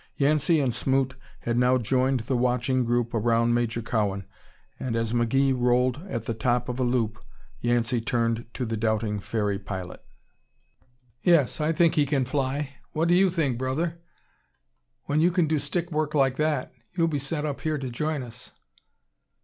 Yancey and Smoot had now joined the watching group around Major Cowan, and as McGee rolled at the top of a loop, Yancey turned to the doubting ferry pilot. "Yes, I think he can fly. What do you think, brother? When you can do stick work like that, you'll be sent up here to join us."